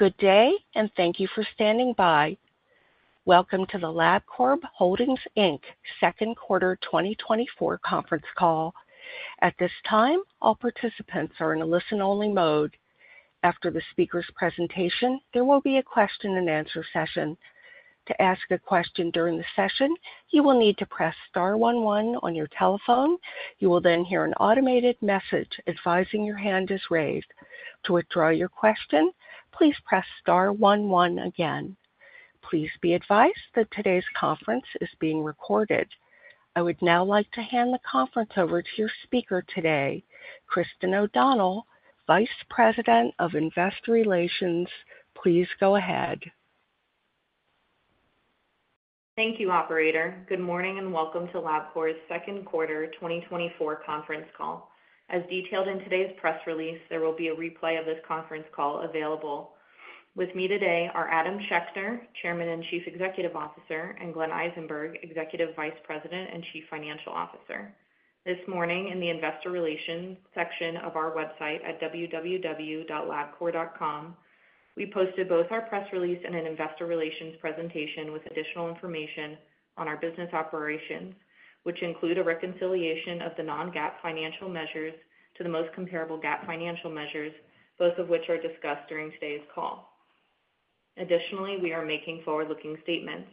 Good day, and thank you for standing by. Welcome to the Labcorp Second Quarter 2024 conference call. At this time, all participants are in a listen-only mode. After the speaker's presentation, there will be a question-and-answer session. To ask a question during the session, you will need to press star one one on your telephone. You will then hear an automated message advising your hand is raised. To withdraw your question, please press star one one again. Please be advised that today's conference is being recorded. I would now like to hand the conference over to your speaker today, Christin O'Donnell, Vice President of Investor Relations. Please go ahead. Thank you, operator. Good morning, and welcome to Labcorp's second quarter 2024 conference call. As detailed in today's press release, there will be a replay of this conference call available. With me today are Adam Schechter, Chairman and Chief Executive Officer, and Glenn Eisenberg, Executive Vice President and Chief Financial Officer. This morning, in the investor relations section of our website at www.labcorp.com, we posted both our press release and an investor relations presentation with additional information on our business operations, which include a reconciliation of the non-GAAP financial measures to the most comparable GAAP financial measures, both of which are discussed during today's call. Additionally, we are making forward-looking statements.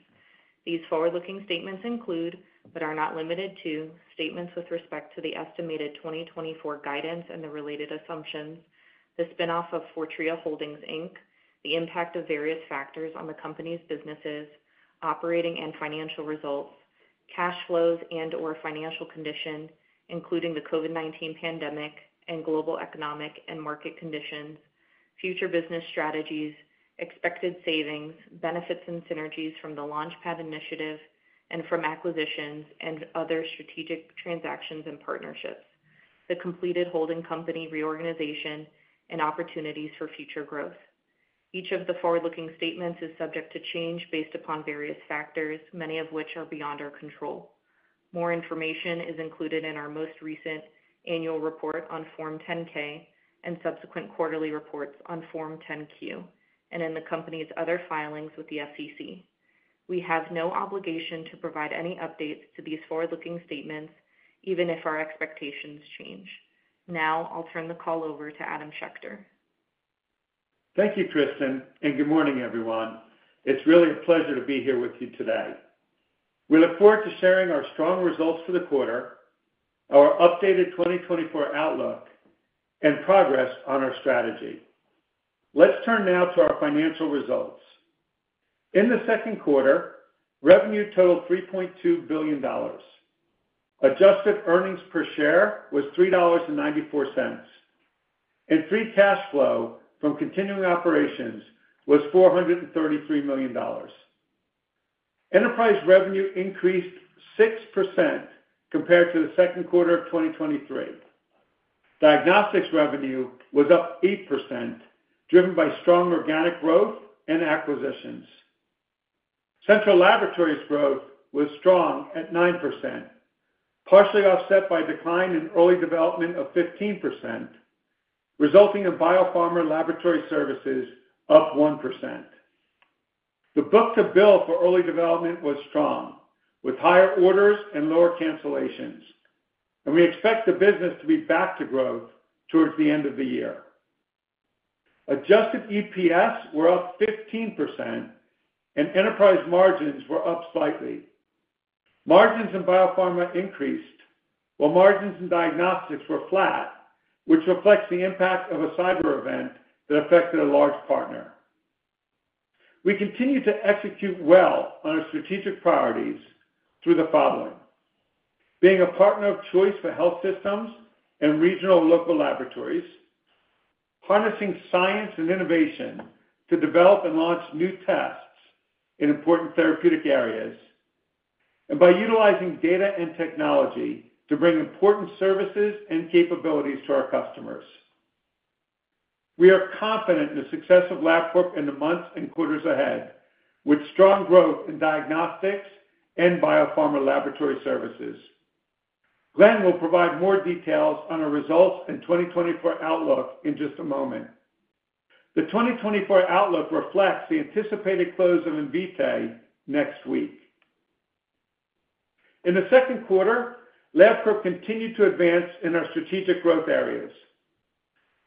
These forward-looking statements include, but are not limited to, statements with respect to the estimated 2024 guidance and the related assumptions, the spin-off of Fortrea Holdings Inc., the impact of various factors on the company's businesses, operating and financial results, cash flows and/or financial condition, including the COVID-19 pandemic and global economic and market conditions, future business strategies, expected savings, benefits and synergies from the LaunchPad initiative and from acquisitions and other strategic transactions and partnerships, the completed holding company reorganization and opportunities for future growth. Each of the forward-looking statements is subject to change based upon various factors, many of which are beyond our control. More information is included in our most recent annual report on Form 10-K and subsequent quarterly reports on Form 10-Q, and in the company's other filings with the SEC. We have no obligation to provide any updates to these forward-looking statements, even if our expectations change. Now, I'll turn the call over to Adam Schechter. Thank you, Christin, and good morning, everyone. It's really a pleasure to be here with you today. We look forward to sharing our strong results for the quarter, our updated 2024 outlook, and progress on our strategy. Let's turn now to our financial results. In the second quarter, revenue totaled $3.2 billion. Adjusted earnings per share was $3.94, and free cash flow from continuing operations was $433 million. Enterprise revenue increased 6% compared to the second quarter of 2023. Diagnostics revenue was up 8%, driven by strong organic growth and acquisitions. Central Laboratories growth was strong at 9%, partially offset by decline in early development of 15%, resulting in Biopharma Laboratory Services up 1%. The book-to-bill for early development was strong, with higher orders and lower cancellations, and we expect the business to be back to growth towards the end of the year. Adjusted EPS were up 15%, and enterprise margins were up slightly. Margins in biopharma increased, while margins in diagnostics were flat, which reflects the impact of a cyber event that affected a large partner. We continue to execute well on our strategic priorities through the following: Being a partner of choice for health systems and regional local laboratories, harnessing science and innovation to develop and launch new tests in important therapeutic areas, and by utilizing data and technology to bring important services and capabilities to our customers. We are confident in the success of Labcorp in the months and quarters ahead, with strong growth in diagnostics and biopharma laboratory services. Glenn will provide more details on our results and 2024 outlook in just a moment. The 2024 outlook reflects the anticipated close of Invitae next week. In the second quarter, Labcorp continued to advance in our strategic growth areas.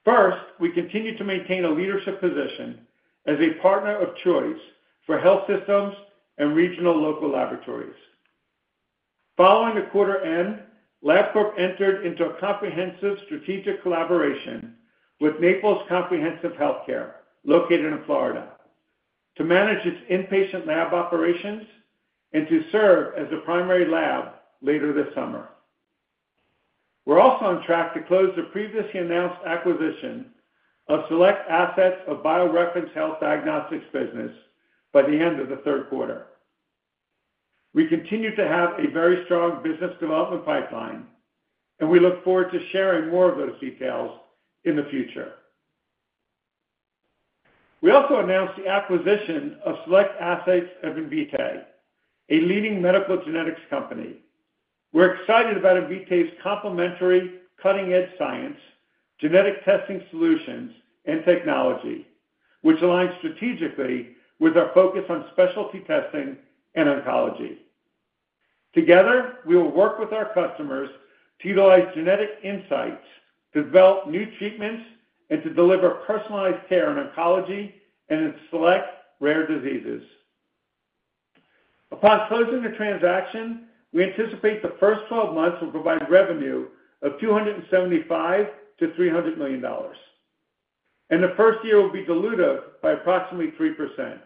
First, we continued to maintain a leadership position as a partner of choice for health systems and regional local laboratories. Following the quarter end, Labcorp entered into a comprehensive strategic collaboration with Naples Comprehensive Health, located in Florida, to manage its inpatient lab operations and to serve as the primary lab later this summer. We're also on track to close the previously announced acquisition of select assets of BioReference Health diagnostics business by the end of the third quarter. We continue to have a very strong business development pipeline, and we look forward to sharing more of those details in the future. We also announced the acquisition of select assets of Invitae, a leading medical genetics company. We're excited about Invitae's complementary, cutting-edge science, genetic testing solutions, and technology, which aligns strategically with our focus on specialty testing and oncology. Together, we will work with our customers to utilize genetic insights, develop new treatments, and to deliver personalized care in oncology and in select rare diseases. Upon closing the transaction, we anticipate the first 12 months will provide revenue of $275 million-$300 million, and the first year will be dilutive by approximately 3%.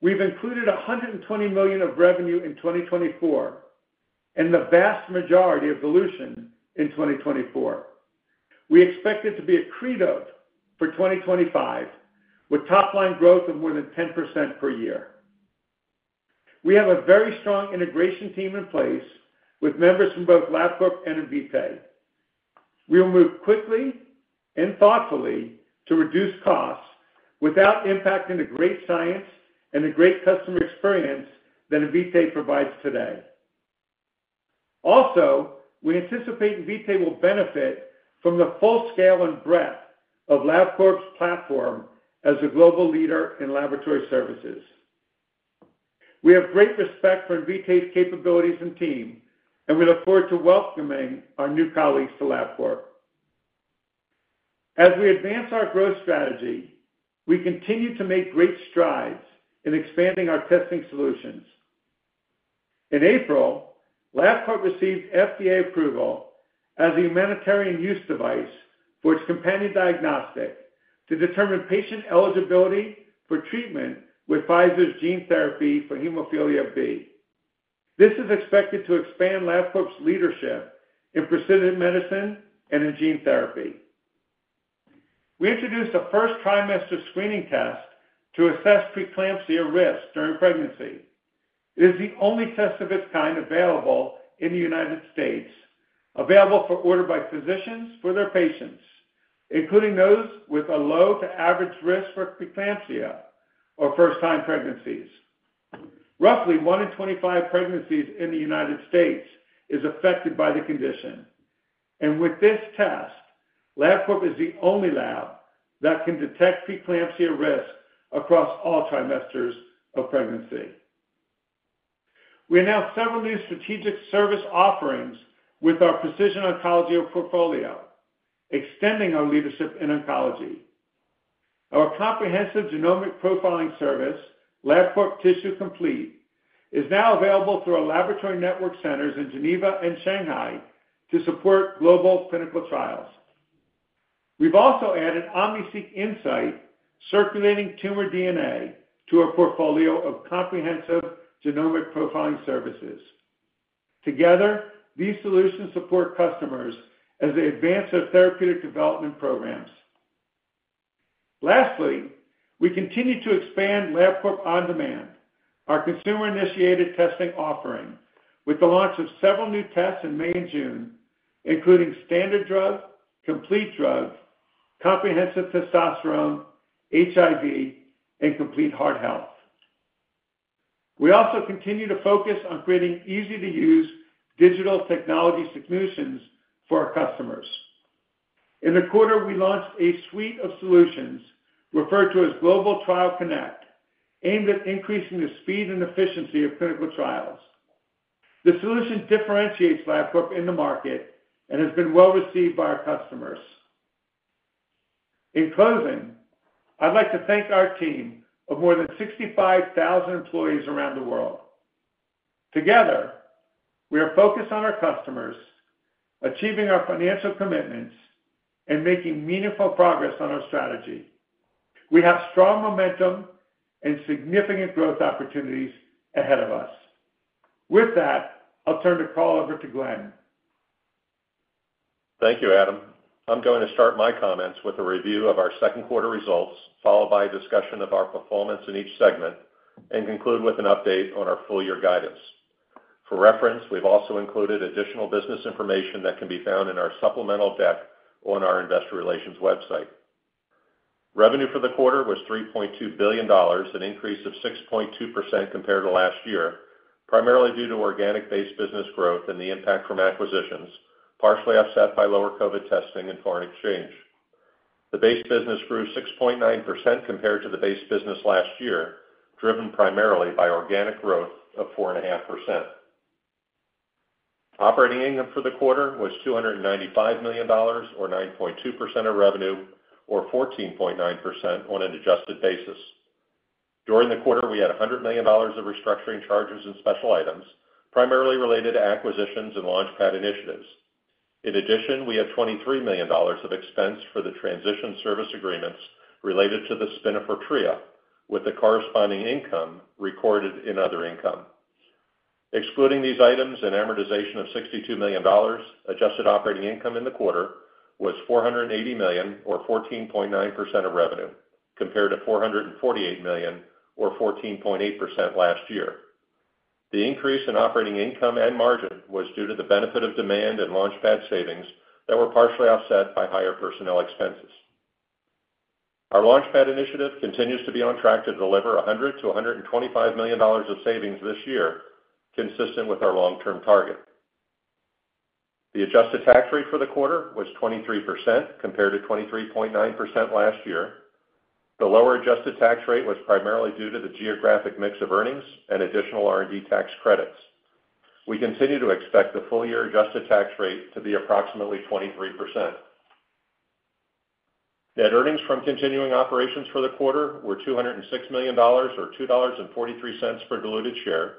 We've included $120 million of revenue in 2024, and the vast majority of dilution in 2024. We expect it to be accretive for 2025, with top-line growth of more than 10% per year. We have a very strong integration team in place, with members from both Labcorp and Invitae. We'll move quickly and thoughtfully to reduce costs without impacting the great science and the great customer experience that Invitae provides today. Also, we anticipate Invitae will benefit from the full scale and breadth of Labcorp's platform as a global leader in laboratory services. We have great respect for Invitae's capabilities and team, and we look forward to welcoming our new colleagues to Labcorp. As we advance our growth strategy, we continue to make great strides in expanding our testing solutions. In April, Labcorp received FDA approval as a humanitarian use device for its companion diagnostic to determine patient eligibility for treatment with Pfizer's gene therapy for hemophilia B. This is expected to expand Labcorp's leadership in precision medicine and in gene therapy. We introduced a first-trimester screening test to assess preeclampsia risk during pregnancy. It is the only test of its kind available in the United States, available for order by physicians for their patients, including those with a low to average risk for preeclampsia or first-time pregnancies. Roughly one in 25 pregnancies in the United States is affected by the condition, and with this test, Labcorp is the only lab that can detect preeclampsia risk across all trimesters of pregnancy. We announced several new strategic service offerings with our precision oncology portfolio, extending our leadership in oncology. Our comprehensive genomic profiling service, Labcorp Tissue Complete, is now available through our laboratory network centers in Geneva and Shanghai to support global clinical trials. We've also added OmniSeq Insight, circulating tumor DNA, to our portfolio of comprehensive genomic profiling services. Together, these solutions support customers as they advance their therapeutic development programs. Lastly, we continue to expand Labcorp OnDemand, our consumer-initiated testing offering, with the launch of several new tests in May and June, including Standard Drug, Complete Drug, Comprehensive Testosterone, HIV, and Complete Heart Health. We also continue to focus on creating easy-to-use digital technology solutions for our customers. In the quarter, we launched a suite of solutions referred to as Global Trial Connect, aimed at increasing the speed and efficiency of clinical trials. The solution differentiates Labcorp in the market and has been well received by our customers. In closing, I'd like to thank our team of more than 65,000 employees around the world. Together, we are focused on our customers, achieving our financial commitments, and making meaningful progress on our strategy. We have strong momentum and significant growth opportunities ahead of us. With that, I'll turn the call over to Glenn. Thank you, Adam. I'm going to start my comments with a review of our second quarter results, followed by a discussion of our performance in each segment, and conclude with an update on our full year guidance. For reference, we've also included additional business information that can be found in our supplemental deck on our investor relations website. Revenue for the quarter was $3.2 billion, an increase of 6.2% compared to last year, primarily due to organic-based business growth and the impact from acquisitions, partially offset by lower COVID testing and foreign exchange. The base business grew 6.9% compared to the base business last year, driven primarily by organic growth of 4.5%. Operating income for the quarter was $295 million, or 9.2% of revenue, or 14.9% on an adjusted basis. During the quarter, we had $100 million of restructuring charges and special items, primarily related to acquisitions and LaunchPad initiatives. In addition, we had $23 million of expense for the transition service agreements related to the spin-off of Fortrea, with the corresponding income recorded in other income. Excluding these items and amortization of $62 million, adjusted operating income in the quarter was $480 million, or 14.9% of revenue, compared to $448 million, or 14.8% last year. The increase in operating income and margin was due to the benefit of demand and LaunchPad savings that were partially offset by higher personnel expenses. Our LaunchPad initiative continues to be on track to deliver $100 million-$125 million of savings this year, consistent with our long-term target. The adjusted tax rate for the quarter was 23%, compared to 23.9% last year. The lower adjusted tax rate was primarily due to the geographic mix of earnings and additional R&D tax credits. We continue to expect the full year adjusted tax rate to be approximately 23%. Net earnings from continuing operations for the quarter were $206 million, or $2.43 per diluted share.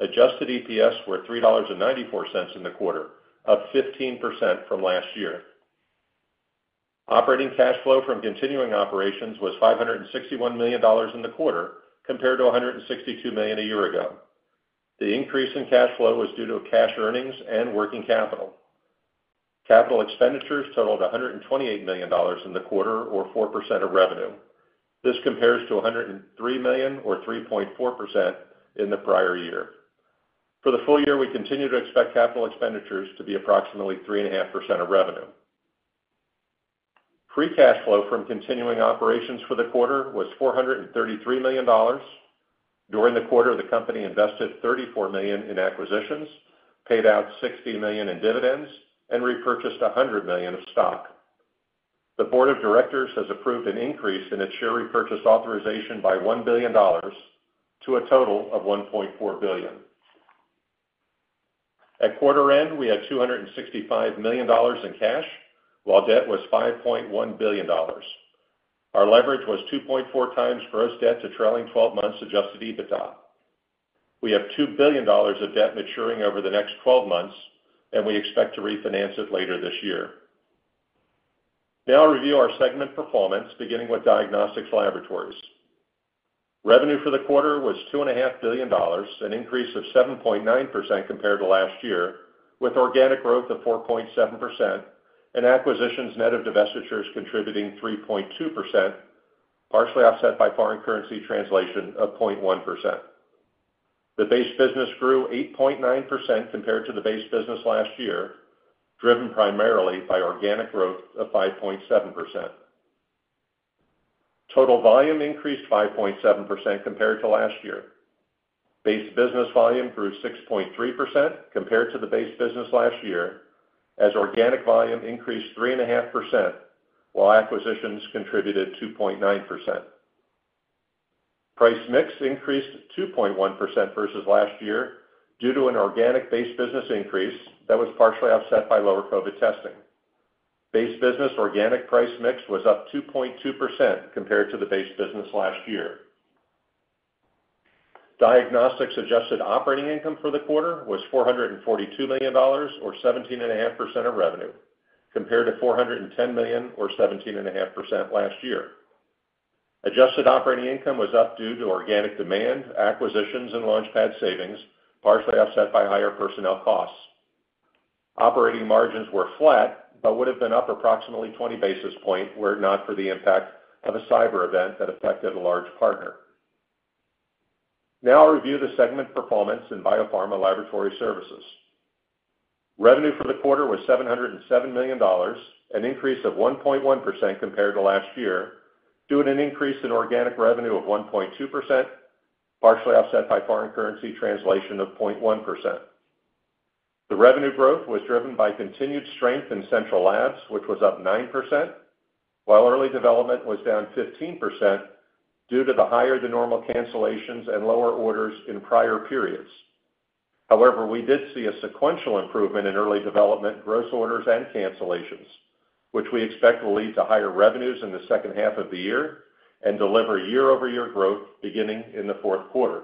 Adjusted EPS were $3.94 in the quarter, up 15% from last year. Operating cash flow from continuing operations was $561 million in the quarter, compared to $162 million a year ago. The increase in cash flow was due to cash earnings and working capital. Capital expenditures totaled $128 million in the quarter, or 4% of revenue. This compares to $103 million, or 3.4%, in the prior year. For the full year, we continue to expect capital expenditures to be approximately 3.5% of revenue. Free cash flow from continuing operations for the quarter was $433 million. During the quarter, the company invested $34 million in acquisitions, paid out $60 million in dividends, and repurchased $100 million of stock. The board of directors has approved an increase in its share repurchase authorization by $1 billion, to a total of $1.4 billion. At quarter end, we had $265 million in cash, while debt was $5.1 billion. Our leverage was 2.4 times gross debt to trailing 12 months adjusted EBITDA. We have $2 billion of debt maturing over the next 12 months, and we expect to refinance it later this year. Now I'll review our segment performance, beginning with Diagnostics Laboratories. Revenue for the quarter was $2.5 billion, an increase of 7.9% compared to last year, with organic growth of 4.7% and acquisitions net of divestitures contributing 3.2%, partially offset by foreign currency translation of 0.1%. The base business grew 8.9% compared to the base business last year, driven primarily by organic growth of 5.7%. Total volume increased 5.7% compared to last year. Base business volume grew 6.3% compared to the base business last year, as organic volume increased 3.5%, while acquisitions contributed 2.9%. Price mix increased 2.1% versus last year due to an organic base business increase that was partially offset by lower COVID testing. Base business organic price mix was up 2.2% compared to the base business last year. Diagnostics adjusted operating income for the quarter was $442 million, or 17.5% of revenue, compared to $410 million, or 17.5% last year. Adjusted operating income was up due to organic demand, acquisitions, and LaunchPad savings, partially offset by higher personnel costs. Operating margins were flat, but would have been up approximately 20 basis points were it not for the impact of a cyber event that affected a large partner. Now I'll review the segment performance in Biopharma Laboratory Services. Revenue for the quarter was $707 million, an increase of 1.1% compared to last year, due to an increase in organic revenue of 1.2%, partially offset by foreign currency translation of 0.1%. The revenue growth was driven by continued strength in central labs, which was up 9%, while early development was down 15% due to the higher-than-normal cancellations and lower orders in prior periods. However, we did see a sequential improvement in early development, gross orders, and cancellations, which we expect will lead to higher revenues in the second half of the year and deliver year-over-year growth beginning in the fourth quarter.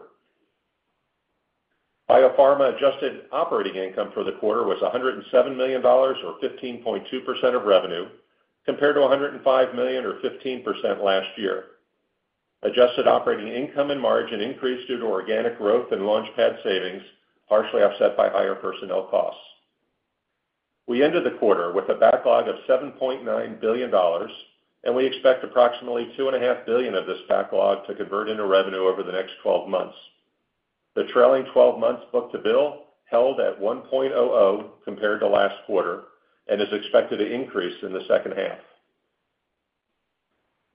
Biopharma adjusted operating income for the quarter was $107 million, or 15.2% of revenue, compared to $105 million, or 15% last year. Adjusted operating income and margin increased due to organic growth and LaunchPad savings, partially offset by higher personnel costs. We ended the quarter with a backlog of $7.9 billion, and we expect approximately $2.5 billion of this backlog to convert into revenue over the next 12 months. The trailing 12 months book-to-bill held at 1.00 compared to last quarter and is expected to increase in the second half.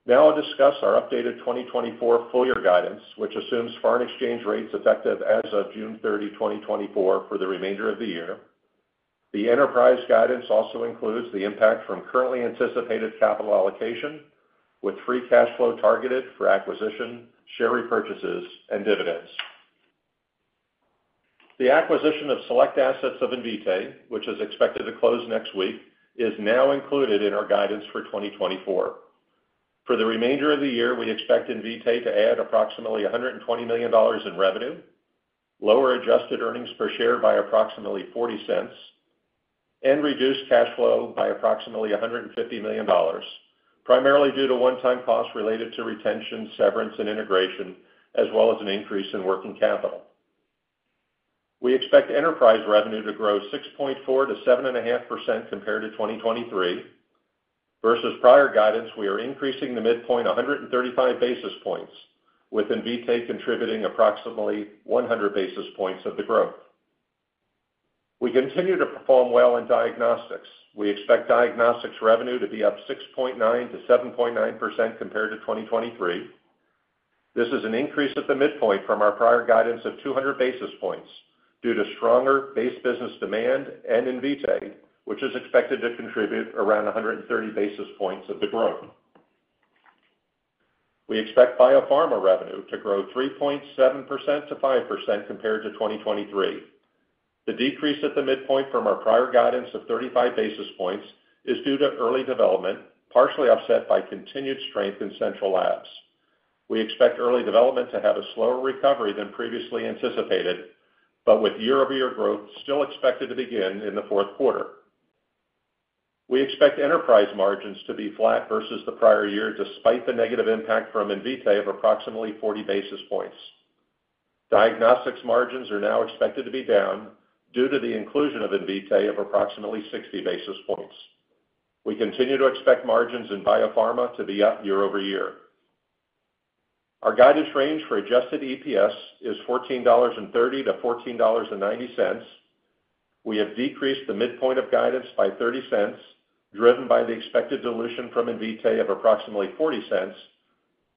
Now I'll discuss our updated 2024 full year guidance, which assumes foreign exchange rates effective as of June 30, 2024, for the remainder of the year. The enterprise guidance also includes the impact from currently anticipated capital allocation, with free cash flow targeted for acquisition, share repurchases, and dividends. The acquisition of select assets of Invitae, which is expected to close next week, is now included in our guidance for 2024. For the remainder of the year, we expect Invitae to add approximately $120 million in revenue, lower adjusted earnings per share by approximately $0.40, and reduce cash flow by approximately $150 million, primarily due to one-time costs related to retention, severance, and integration, as well as an increase in working capital. We expect enterprise revenue to grow 6.4%-7.5% compared to 2023. Versus prior guidance, we are increasing the midpoint 135 basis points, with Invitae contributing approximately 100 basis points of the growth. We continue to perform well in diagnostics. We expect diagnostics revenue to be up 6.9%-7.9% compared to 2023. This is an increase at the midpoint from our prior guidance of 200 basis points due to stronger base business demand and Invitae, which is expected to contribute around 130 basis points of the growth. We expect biopharma revenue to grow 3.7%-5% compared to 2023. The decrease at the midpoint from our prior guidance of 35 basis points is due to early development, partially offset by continued strength in central labs. We expect early development to have a slower recovery than previously anticipated, but with year-over-year growth still expected to begin in the fourth quarter. We expect enterprise margins to be flat versus the prior year, despite the negative impact from Invitae of approximately 40 basis points. Diagnostics margins are now expected to be down due to the inclusion of Invitae of approximately 60 basis points. We continue to expect margins in biopharma to be up year over year. Our guidance range for adjusted EPS is $14.30-$14.90. We have decreased the midpoint of guidance by $0.30, driven by the expected dilution from Invitae of approximately $0.40,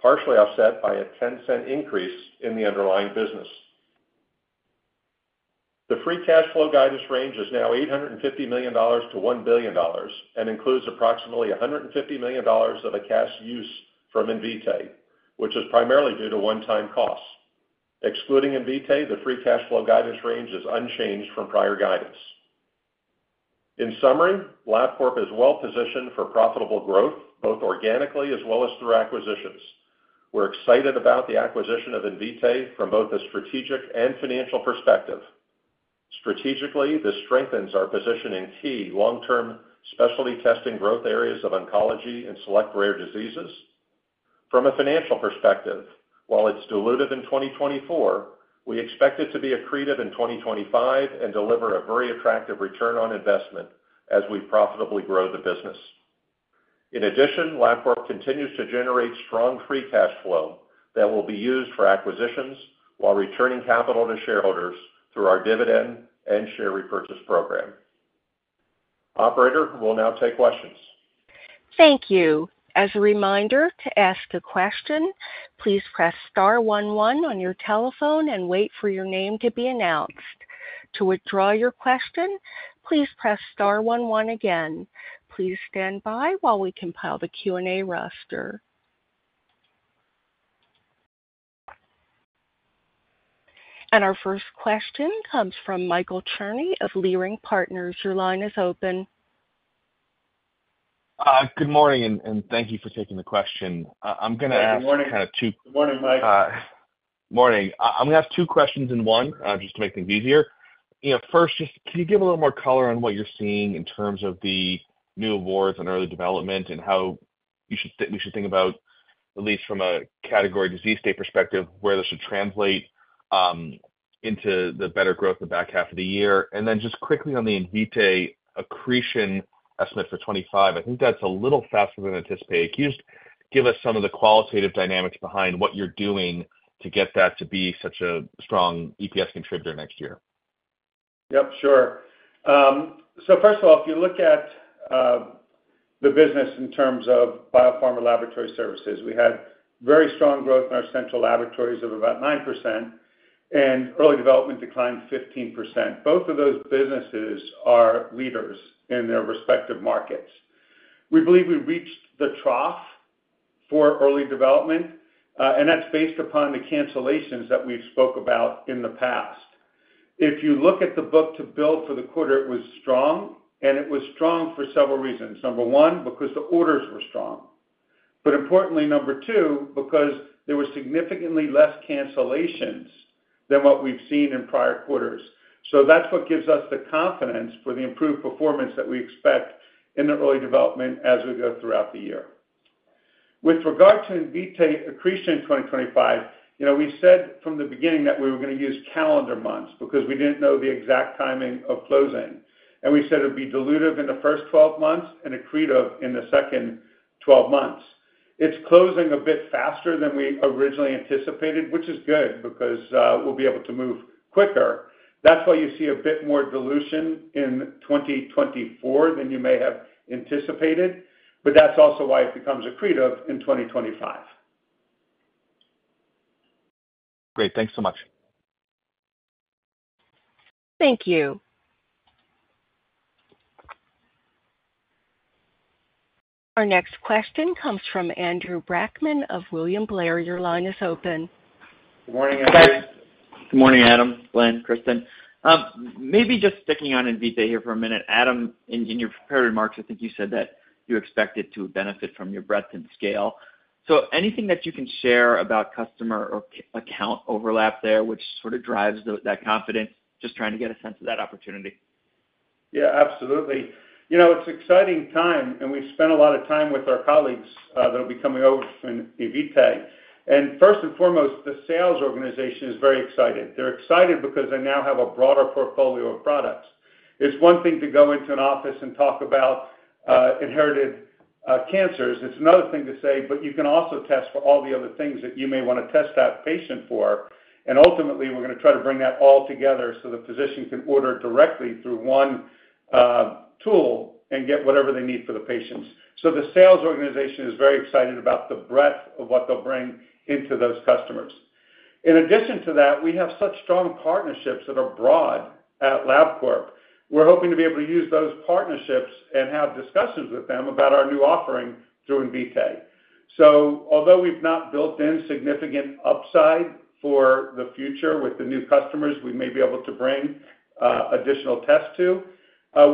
partially offset by a $0.10 increase in the underlying business. The free cash flow guidance range is now $850 million-$1 billion and includes approximately $150 million of a cash use from Invitae, which is primarily due to one-time costs. Excluding Invitae, the free cash flow guidance range is unchanged from prior guidance. In summary, Labcorp is well positioned for profitable growth, both organically as well as through acquisitions. We're excited about the acquisition of Invitae from both a strategic and financial perspective. Strategically, this strengthens our position in key long-term specialty testing growth areas of oncology and select rare diseases. From a financial perspective, while it's dilutive in 2024, we expect it to be accretive in 2025 and deliver a very attractive return on investment as we profitably grow the business. In addition, Labcorp continues to generate strong free cash flow that will be used for acquisitions while returning capital to shareholders through our dividend and share repurchase program. Operator, we'll now take questions. Thank you. As a reminder, to ask a question, please press star one one on your telephone and wait for your name to be announced. To withdraw your question, please press star one one again. Please stand by while we compile the Q&A roster. Our first question comes from Michael Cherny of Leerink Partners. Your line is open. Good morning, and thank you for taking the question. I'm gonna ask- Good morning. Kind of two- Good morning, Mike. Morning. I'm gonna ask two questions in one, just to make things easier. You know, first, just can you give a little more color on what you're seeing in terms of the new awards and early development and how we should think about, at least from a category disease state perspective, where this should translate into the better growth in the back half of the year? And then just quickly on the Invitae accretion estimate for 2025, I think that's a little faster than anticipated. Can you just give us some of the qualitative dynamics behind what you're doing to get that to be such a strong EPS contributor next year? Yep, sure. So first of all, if you look at the business in terms of biopharma laboratory services, we had very strong growth in our central laboratories of about 9%, and early development declined 15%. Both of those businesses are leaders in their respective markets. We believe we reached the trough for early development, and that's based upon the cancellations that we've spoke about in the past. If you look at the book-to-bill for the quarter, it was strong, and it was strong for several reasons. Number one, because the orders were strong. But importantly, number two, because there were significantly less cancellations than what we've seen in prior quarters. So that's what gives us the confidence for the improved performance that we expect in the early development as we go throughout the year. With regard to Invitae accretion in 2025, you know, we said from the beginning that we were gonna use calendar months because we didn't know the exact timing of closing. We said it would be dilutive in the first 12 months and accretive in the second 12 months. It's closing a bit faster than we originally anticipated, which is good because we'll be able to move quicker. That's why you see a bit more dilution in 2024 than you may have anticipated, but that's also why it becomes accretive in 2025. Great. Thanks so much. Thank you. Our next question comes from Andrew Brackman of William Blair. Your line is open. Morning, Andrew. Good morning, Adam, Glenn, Christin. Maybe just sticking on Invitae here for a minute. Adam, in your prepared remarks, I think you said that you expected to benefit from your breadth and scale. So anything that you can share about customer or account overlap there, which sort of drives that confidence? Just trying to get a sense of that opportunity. Yeah, absolutely. You know, it's an exciting time, and we've spent a lot of time with our colleagues that will be coming over from Invitae. First and foremost, the sales organization is very excited. They're excited because they now have a broader portfolio of products. It's one thing to go into an office and talk about inherited cancers. It's another thing to say, but you can also test for all the other things that you may want to test that patient for. And ultimately, we're going to try to bring that all together so the physician can order directly through one tool and get whatever they need for the patients. So the sales organization is very excited about the breadth of what they'll bring into those customers. In addition to that, we have such strong partnerships that are broad at Labcorp. We're hoping to be able to use those partnerships and have discussions with them about our new offering through Invitae. So although we've not built in significant upside for the future with the new customers, we may be able to bring additional tests to.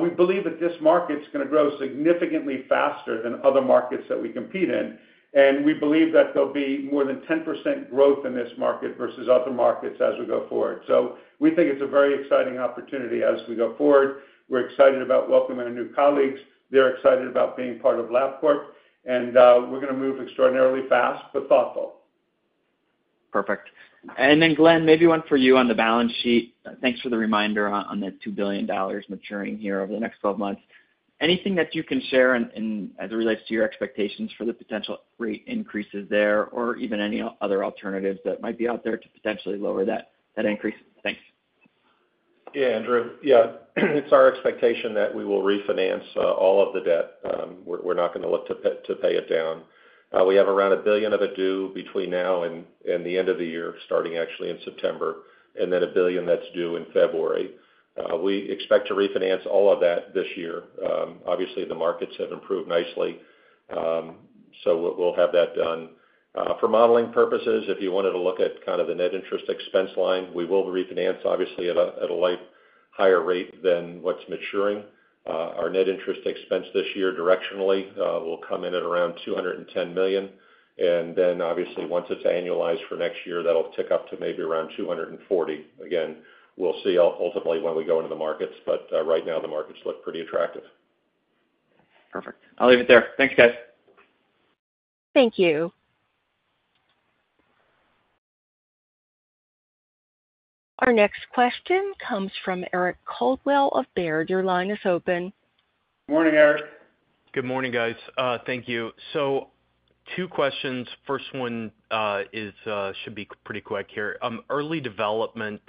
We believe that this market's gonna grow significantly faster than other markets that we compete in, and we believe that there'll be more than 10% growth in this market versus other markets as we go forward. So we think it's a very exciting opportunity as we go forward. We're excited about welcoming our new colleagues. They're excited about being part of Labcorp, and we're gonna move extraordinarily fast, but thoughtful. Perfect. And then, Glenn, maybe one for you on the balance sheet. Thanks for the reminder on the $2 billion maturing here over the next 12 months. Anything that you can share in as it relates to your expectations for the potential rate increases there, or even any other alternatives that might be out there to potentially lower that increase? Thanks. Yeah, Andrew. Yeah, it's our expectation that we will refinance all of the debt. We're not gonna look to pay it down. We have around $1 billion of it due between now and the end of the year, starting actually in September, and then $1 billion that's due in February. We expect to refinance all of that this year. Obviously, the markets have improved nicely, so we'll have that done. For modeling purposes, if you wanted to look at kind of the net interest expense line, we will refinance, obviously, at a little higher rate than what's maturing. Our net interest expense this year, directionally, will come in at around $210 million, and then obviously, once it's annualized for next year, that'll tick up to maybe around $240 million. Again, we'll see ultimately when we go into the markets, but right now, the markets look pretty attractive. Perfect. I'll leave it there. Thanks, guys. Thank you. Our next question comes from Eric Coldwell of Baird. Your line is open. Morning, Eric. Good morning, guys. Thank you. So two questions. First one is should be pretty quick here. Early development,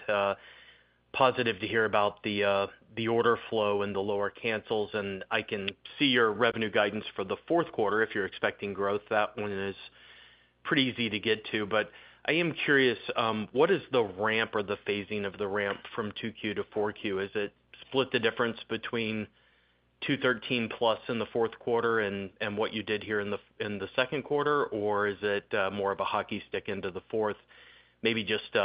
positive to hear about the order flow and the lower cancels, and I can see your revenue guidance for the fourth quarter if you're expecting growth. That one is pretty easy to get to. But I am curious, what is the ramp or the phasing of the ramp from 2Q to 4Q? Is it split the difference between 2.13 plus in the fourth quarter and what you did here in the second quarter, or is it more of a hockey stick into the fourth? Maybe just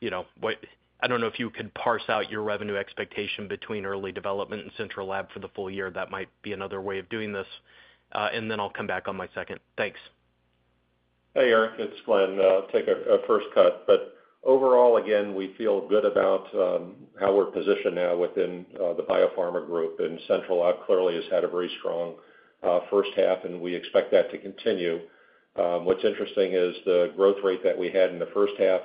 you know what. I don't know if you could parse out your revenue expectation between early development and central lab for the full year. That might be another way of doing this. And then I'll come back on my second. Thanks. Hey, Eric, it's Glenn. I'll take a first cut, but overall, again, we feel good about how we're positioned now within the biopharma group, and central lab clearly has had a very strong first half, and we expect that to continue. What's interesting is the growth rate that we had in the first half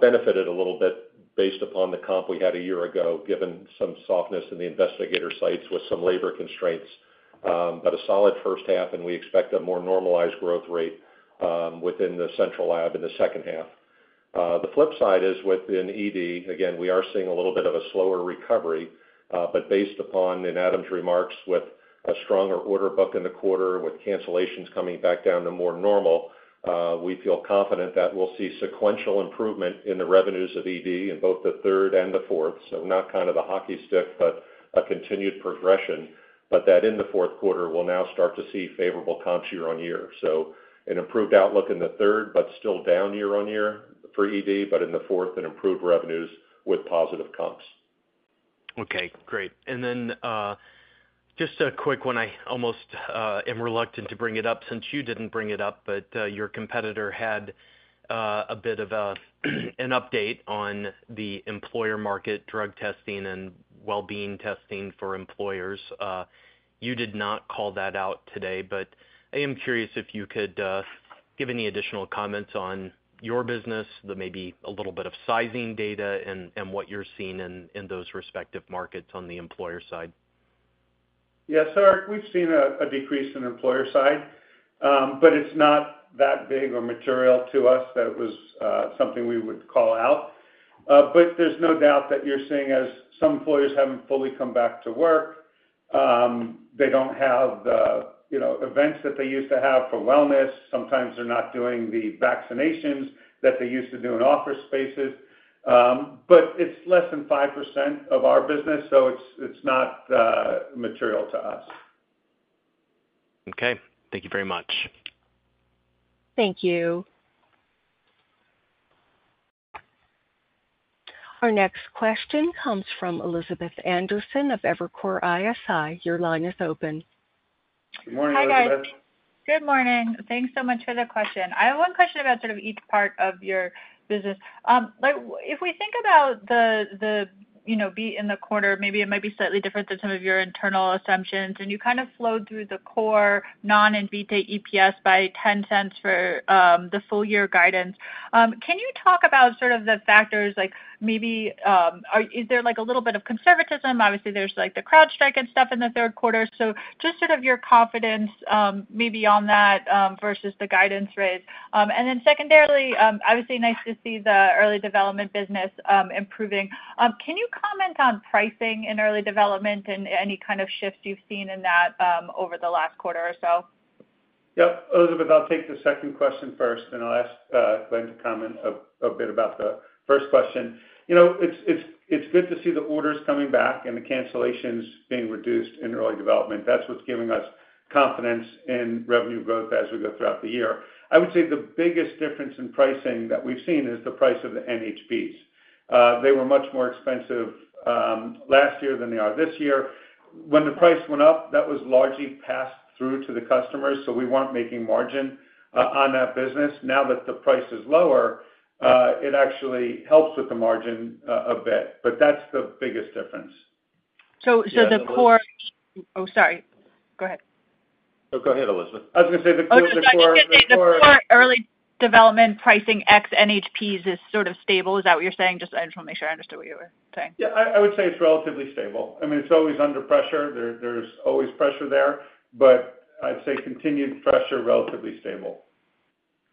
benefited a little bit based upon the comp we had a year ago, given some softness in the investigator sites with some labor constraints. But a solid first half, and we expect a more normalized growth rate within the central lab in the second half. The flip side is within ED, again, we are seeing a little bit of a slower recovery, but based upon, and Adam's remarks with a stronger order book in the quarter with cancellations coming back down to more normal, we feel confident that we'll see sequential improvement in the revenues of ED in both the third and the fourth. So not kind of a hockey stick, but a continued progression, but that in the fourth quarter, we'll now start to see favorable comps year on year. So an improved outlook in the third, but still down year on year for ED, but in the fourth, an improved revenues with positive comps. Okay, great. And then, just a quick one. I almost am reluctant to bring it up since you didn't bring it up, but, your competitor had a bit of an update on the employer market, drug testing, and well-being testing for employers. You did not call that out today, but I am curious if you could give any additional comments on your business, then maybe a little bit of sizing data and, and what you're seeing in, in those respective markets on the employer side. Yes, Eric, we've seen a decrease in employer side, but it's not that big or material to us that it was something we would call out. But there's no doubt that you're seeing, as some employers haven't fully come back to work, they don't have the, you know, events that they used to have for wellness. Sometimes they're not doing the vaccinations that they used to do in office spaces, but it's less than 5% of our business, so it's, it's not material to us. Okay. Thank you very much. Thank you. Our next question comes from Elizabeth Anderson of Evercore ISI. Your line is open. Good morning, Elizabeth. Hi, guys. Good morning. Thanks so much for the question. I have one question about sort of each part of your business. Like, if we think about the you know, beat in the quarter, maybe it might be slightly different than some of your internal assumptions, and you kind of flowed through the core non-Invitae EPS by $0.10 for the full year guidance. Can you talk about sort of the factors like maybe, is there like a little bit of conservatism? Obviously, there's like the CrowdStrike and stuff in the third quarter. So just sort of your confidence, maybe on that, versus the guidance raise. And then secondarily, obviously, nice to see the early development business improving. Can you comment on pricing in early development and any kind of shifts you've seen in that, over the last quarter or so? Yep. Elizabeth, I'll take the second question first, then I'll ask Glenn to comment a bit about the first question. You know, it's good to see the orders coming back and the cancellations being reduced in early development. That's what's giving us confidence in revenue growth as we go throughout the year. I would say the biggest difference in pricing that we've seen is the price of the NHPs. They were much more expensive last year than they are this year. When the price went up, that was largely passed through to the customers, so we weren't making margin on that business. Now that the price is lower, it actually helps with the margin a bit, but that's the biggest difference. So the core- Yeah, Elizabeth- Oh, sorry. Go ahead. No, go ahead, Elizabeth. I was gonna say the core- Oh, just gonna say, the core early development pricing ex-NHPs is sort of stable. Is that what you're saying? Just, I just wanna make sure I understood what you were saying. Yeah, I would say it's relatively stable. I mean, it's always under pressure. There's always pressure there, but I'd say continued pressure, relatively stable.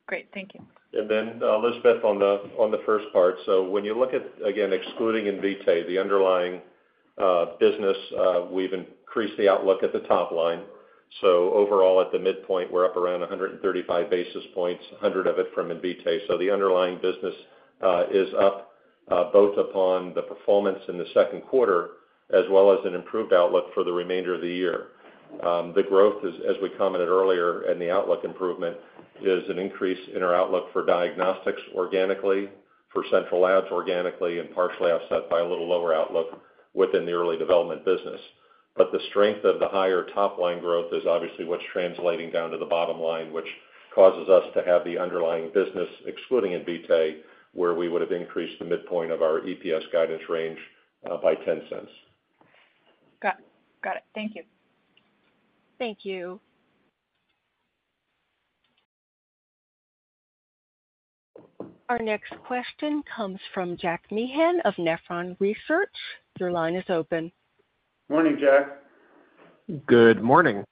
Great. Thank you. And then, Elizabeth, on the, on the first part, so when you look at, again, excluding Invitae, the underlying business, we've increased the outlook at the top line. So overall, at the midpoint, we're up around 135 basis points, 100 of it from Invitae. So the underlying business is up, both upon the performance in the second quarter, as well as an improved outlook for the remainder of the year. The growth is, as we commented earlier, and the outlook improvement, is an increase in our outlook for diagnostics organically, for central labs organically, and partially offset by a little lower outlook within the early development business. But the strength of the higher top line growth is obviously what's translating down to the bottom line, which causes us to have the underlying business, excluding Invitae, where we would have increased the midpoint of our EPS guidance range by $0.10. Got it. Thank you. Thank you. Our next question comes from Jack Meehan of Nephron Research. Your line is open. Morning, Jack. Good morning.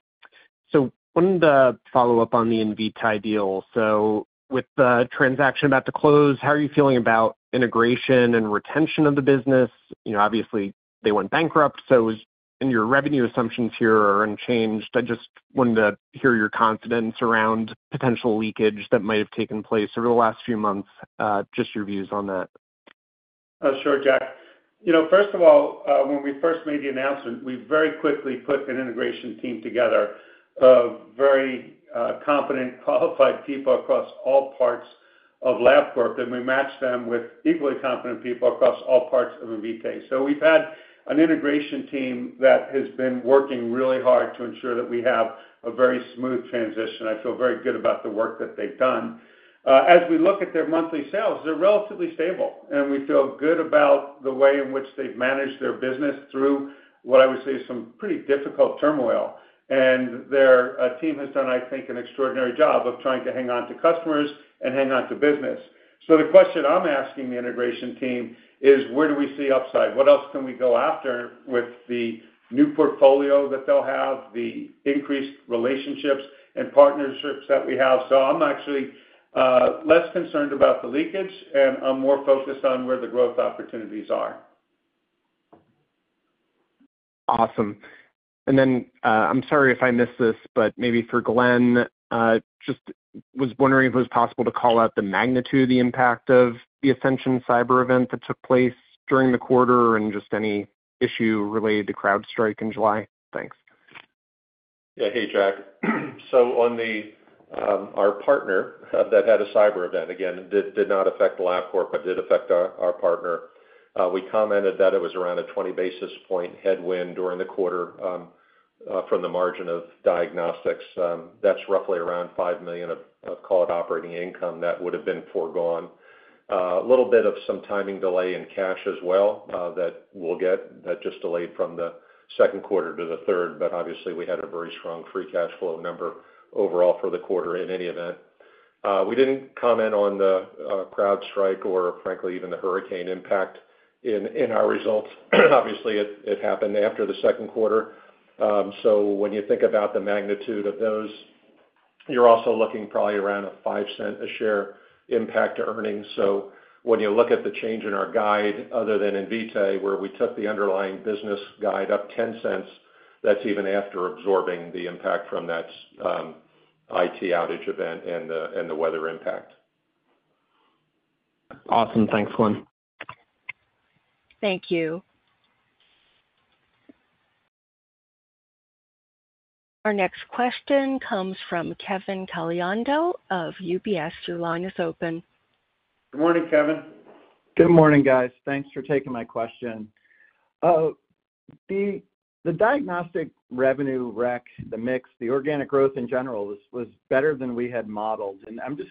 So wanted to follow up on the Invitae deal. So with the transaction about to close, how are you feeling about integration and retention of the business? You know, obviously, they went bankrupt, so and your revenue assumptions here are unchanged. I just wanted to hear your confidence around potential leakage that might have taken place over the last few months, just your views on that. Sure, Jack. You know, first of all, when we first made the announcement, we very quickly put an integration team together of very competent, qualified people across all parts of Labcorp, and we matched them with equally competent people across all parts of Invitae. So we've had an integration team that has been working really hard to ensure that we have a very smooth transition. I feel very good about the work that they've done. As we look at their monthly sales, they're relatively stable, and we feel good about the way in which they've managed their business through what I would say is some pretty difficult turmoil. And their team has done, I think, an extraordinary job of trying to hang on to customers and hang on to business. So the question I'm asking the integration team is: Where do we see upside? What else can we go after with the new portfolio that they'll have, the increased relationships and partnerships that we have? So I'm actually, less concerned about the leakage, and I'm more focused on where the growth opportunities are. Awesome. And then, I'm sorry if I missed this, but maybe for Glenn, just was wondering if it was possible to call out the magnitude, the impact of the Ascension cyber event that took place during the quarter, and just any issue related to CrowdStrike in July? Thanks. Yeah. Hey, Jack. So on the our partner that had a cyber event, again, did not affect Labcorp, but did affect our partner. We commented that it was around a 20 basis point headwind during the quarter from the margin of diagnostics. That's roughly around $5 million of call it operating income that would have been foregone. A little bit of some timing delay in cash as well that we'll get. That just delayed from the second quarter to the third, but obviously we had a very strong free cash flow number overall for the quarter in any event. We didn't comment on the CrowdStrike or frankly, even the hurricane impact in our results. Obviously, it happened after the second quarter. So when you think about the magnitude of those, you're also looking probably around a $0.05 a share impact to earnings. So when you look at the change in our guide, other than Invitae, where we took the underlying business guide up $0.10, that's even after absorbing the impact from that, IT outage event and the weather impact. Awesome. Thanks, Glenn. Thank you. Our next question comes from Kevin Caliendo of UBS. Your line is open. Good morning, Kevin. Good morning, guys. Thanks for taking my question. The diagnostic revenue rec, the mix, the organic growth in general, was better than we had modeled, and I'm just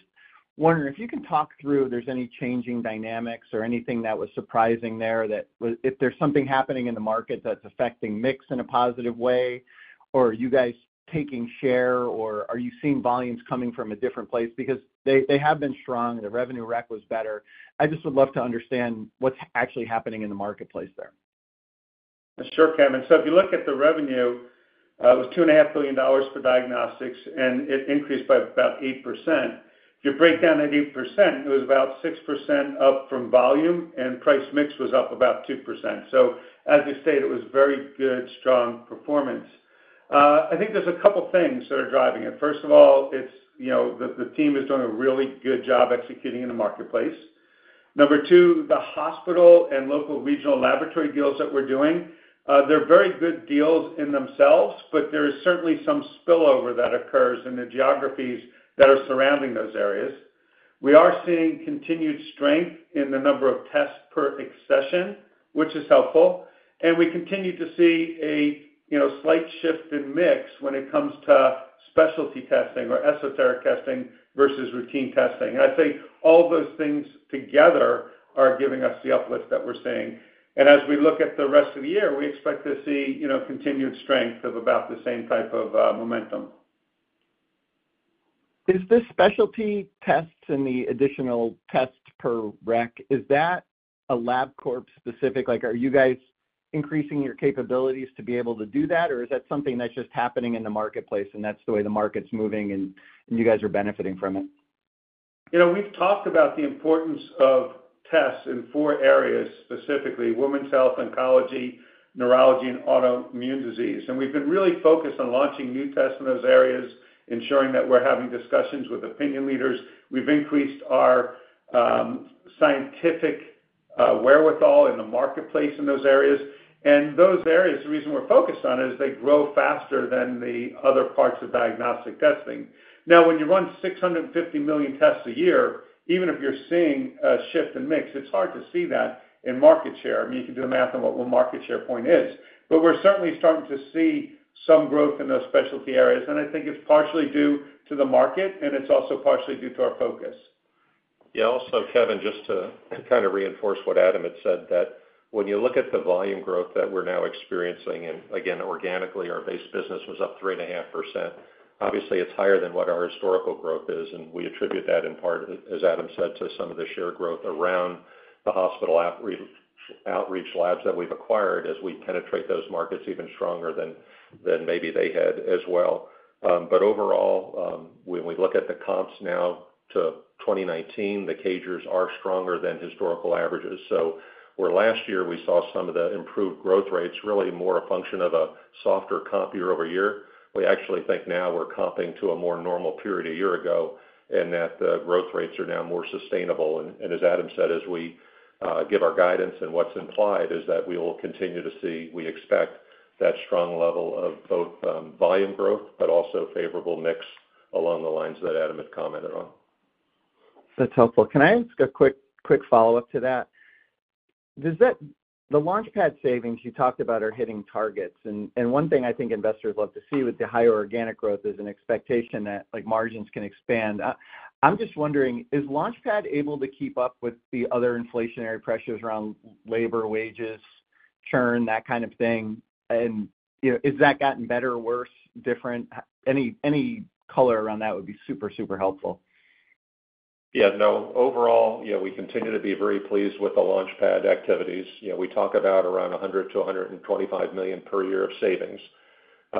wondering if you can talk through if there's any changing dynamics or anything that was surprising there, if there's something happening in the market that's affecting mix in a positive way, or are you guys taking share, or are you seeing volumes coming from a different place? Because they have been strong, the revenue rec was better. I just would love to understand what's actually happening in the marketplace there. Sure, Kevin. So if you look at the revenue, it was $2.5 billion for diagnostics, and it increased by about 8%. If you break down that 8%, it was about 6% up from volume, and price mix was up about 2%. So as you state, it was very good, strong performance. I think there's a couple things that are driving it. First of all, it's, you know, the, the team has done a really good job executing in the marketplace. Number two, the hospital and local regional laboratory deals that we're doing, they're very good deals in themselves, but there is certainly some spillover that occurs in the geographies that are surrounding those areas. We are seeing continued strength in the number of tests per accession, which is helpful, and we continue to see a, you know, slight shift in mix when it comes to specialty testing or esoteric testing versus routine testing. I'd say all those things together are giving us the uplift that we're seeing. As we look at the rest of the year, we expect to see, you know, continued strength of about the same type of momentum. Is this specialty tests and the additional tests per rec, is that a Labcorp specific? Like, are you guys increasing your capabilities to be able to do that, or is that something that's just happening in the marketplace, and that's the way the market's moving, and you guys are benefiting from it? You know, we've talked about the importance of tests in four areas, specifically women's health, oncology, neurology, and autoimmune disease. And we've been really focused on launching new tests in those areas, ensuring that we're having discussions with opinion leaders. We've increased our scientific wherewithal in the marketplace in those areas. And those areas, the reason we're focused on is they grow faster than the other parts of diagnostic testing. Now, when you run 650 million tests a year, even if you're seeing a shift in mix, it's hard to see that in market share. I mean, you can do the math on what one market share point is. But we're certainly starting to see some growth in those specialty areas, and I think it's partially due to the market, and it's also partially due to our focus. Yeah. Also, Kevin, just to kind of reinforce what Adam had said, that when you look at the volume growth that we're now experiencing, and again, organically, our base business was up 3.5%. Obviously, it's higher than what our historical growth is, and we attribute that in part, as Adam said, to some of the share growth around the hospital outreach labs that we've acquired as we penetrate those markets even stronger than maybe they had as well. But overall, when we look at the comps now to 2019, the CAGRs are stronger than historical averages. So where last year we saw some of the improved growth rates, really more a function of a softer comp year-over-year, we actually think now we're comping to a more normal period a year ago, and that the growth rates are now more sustainable. And as Adam said, as we give our guidance and what's implied, is that we will continue to see, we expect, that strong level of both, volume growth, but also favorable mix along the lines that Adam had commented on. That's helpful. Can I ask a quick, quick follow-up to that? The launch pad savings you talked about are hitting targets, and, and one thing I think investors love to see with the higher organic growth is an expectation that, like, margins can expand. I'm just wondering, is LaunchPad able to keep up with the other inflationary pressures around labor, wages, churn, that kind of thing? And, you know, has that gotten better or worse, different? Any, any color around that would be super, super helpful. Yeah. No, overall, you know, we continue to be very pleased with the LaunchPad activities. You know, we talk about around $100-$125 million per year of savings.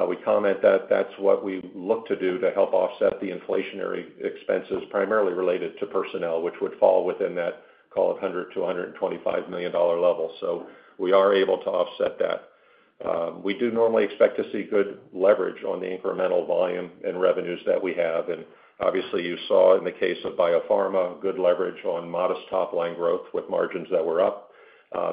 We comment that that's what we look to do to help offset the inflationary expenses, primarily related to personnel, which would fall within that call of $100-$125 million dollar level. So we are able to offset that. We do normally expect to see good leverage on the incremental volume and revenues that we have. And obviously, you saw in the case of Biopharma, good leverage on modest top line growth with margins that were up,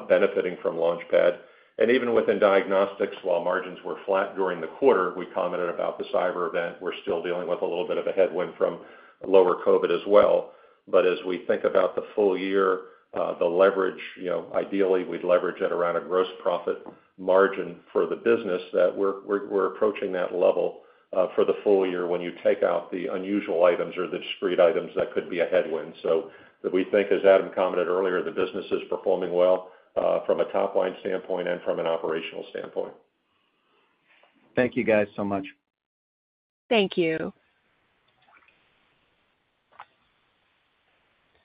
benefiting from LaunchPad. And even within diagnostics, while margins were flat during the quarter, we commented about the cyber event. We're still dealing with a little bit of a headwind from lower COVID as well. But as we think about the full year, the leverage, you know, ideally, we'd leverage it around a gross profit margin for the business that we're approaching that level, for the full year when you take out the unusual items or the discrete items, that could be a headwind. So we think, as Adam commented earlier, the business is performing well, from a top-line standpoint and from an operational standpoint. Thank you guys, so much. Thank you.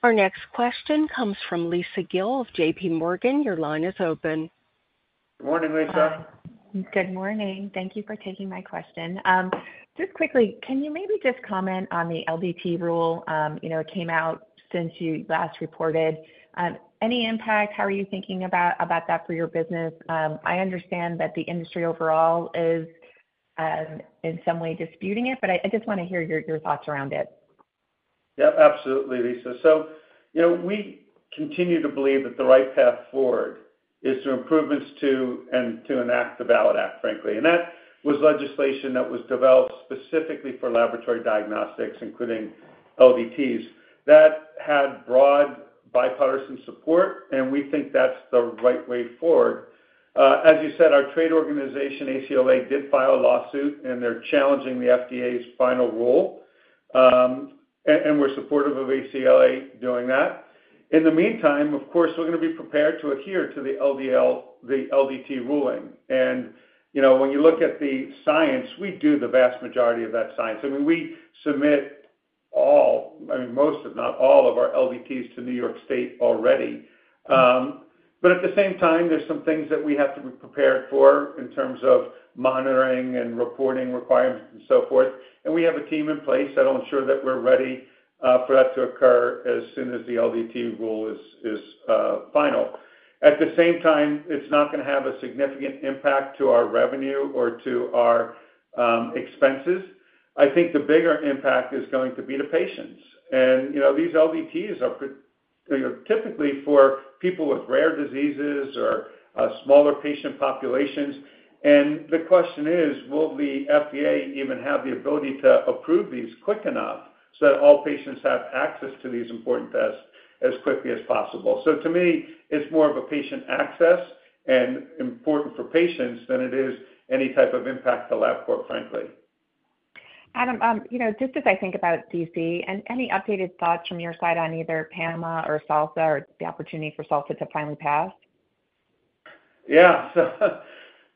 Our next question comes from Lisa Gill of J.P. Morgan. Your line is open. Good morning, Lisa. Good morning. Thank you for taking my question. Just quickly, can you maybe just comment on the LDT rule? You know, it came out since you last reported. Any impact? How are you thinking about that for your business? I understand that the industry overall is in some way disputing it, but I just wanna hear your thoughts around it. Yeah, absolutely, Lisa. So, you know, we continue to believe that the right path forward is through improvements to and to enact the VALID Act, frankly. And that was legislation that was developed specifically for laboratory diagnostics, including LDTs, that had broad bipartisan support, and we think that's the right way forward. As you said, our trade organization, ACLA, did file a lawsuit, and they're challenging the FDA's final rule. And we're supportive of ACLA doing that. In the meantime, of course, we're gonna be prepared to adhere to the LDT ruling. And, you know, when you look at the science, we do the vast majority of that science. I mean, we submit all, I mean, most, if not all, of our LDTs to New York State already. But at the same time, there's some things that we have to be prepared for in terms of monitoring and reporting requirements and so forth, and we have a team in place that'll ensure that we're ready for that to occur as soon as the LDT rule is final. At the same time, it's not gonna have a significant impact to our revenue or to our expenses. I think the bigger impact is going to be to patients. And, you know, these LDTs are you know, typically for people with rare diseases or smaller patient populations. And the question is: Will the FDA even have the ability to approve these quick enough so that all patients have access to these important tests as quickly as possible? To me, it's more of a patient access and important for patients than it is any type of impact to Labcorp, frankly. Adam, you know, just as I think about D.C., and any updated thoughts from your side on either PAMA or SALSA or the opportunity for SALSA to finally pass? Yeah. So,